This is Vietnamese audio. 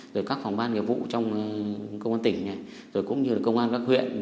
rồi các phòng ban nghiệp vụ trong công an tỉnh này rồi cũng như là công an các huyện